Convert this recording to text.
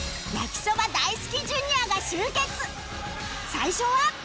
最初は